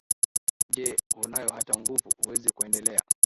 Je hunayo hata nguvu Huwezi kwendelea,